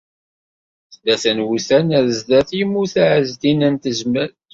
Tlata n wussan ar zdat, yemmut Ɛezdin n Tezmalt.